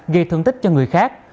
gây thương tích cho người khác